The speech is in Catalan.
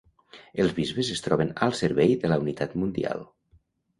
Els bisbes es troben al servei de la unitat mundial.